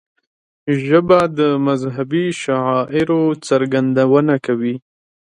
ژبه د مذهبي شعائرو څرګندونه کوي